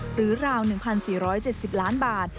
ราว๑๔๗๐ล้านบาท